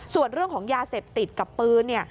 ส่วนเรื่องของยาเสพติดกับปืน